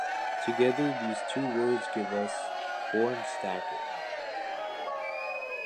Together these two words give us "Horn Stacket".